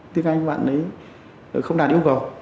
tiếng anh bạn ấy không đạt yêu cầu